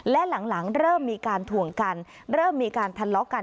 และหลังเริ่มมีการถ่วงกันเริ่มมีการทะเลาะกัน